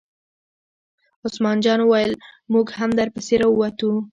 عثمان جان وویل: موږ هم در پسې را ووتو.